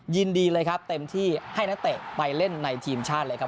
ยินดีเลยครับเต็มที่ให้นักเตะไปเล่นในทีมชาติเลยครับ